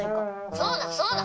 そうだそうだ！